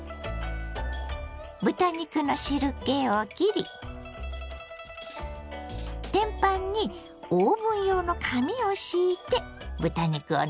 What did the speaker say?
豚肉の汁けをきり天パンにオーブン用の紙を敷いて豚肉をのせます。